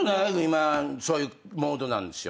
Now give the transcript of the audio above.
今そういうモードなんですよ。